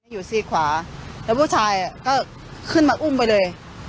อยู่ซี่ขวาแล้วผู้ชายก็ขึ้นมาอุ้มไปเลย